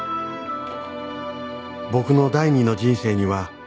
「僕の第二の人生には」